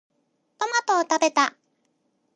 トマトを食べた。